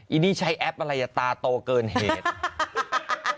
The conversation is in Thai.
อดี้ใช้แอปอะไรตาโตเกินเหตุ